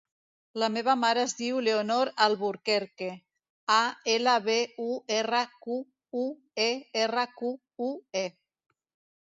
La meva mare es diu Leonor Alburquerque: a, ela, be, u, erra, cu, u, e, erra, cu, u, e.